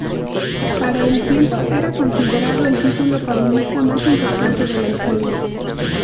Para el tiempo, era considerado el título paulista más importante de la historia.